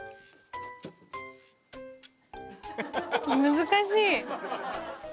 難しい。